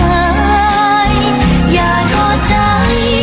อย่าทอดใจนะอย่าทอดใจ